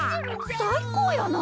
さいこうやな！